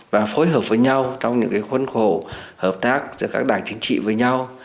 và phối hợp với nhau trong những khuân khổ hợp tác giữa các đảng chính trị với nhau